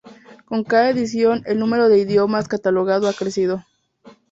Con cada edición, el número de idiomas catalogado ha crecido.